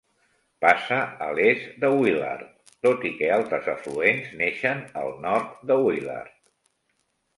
Passa a l'est de Willard, tot i que altres afluents neixen al nord de Willard.